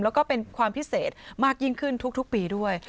แล้วก็เป็นความพิเศษมากยิ่งขึ้นทุกปีด้วย